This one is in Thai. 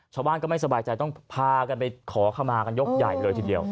ชาวบ้านก็ไม่สบายใจต้องพากันไปขอเข้ามากันยกใหญ่เลยทีเดียว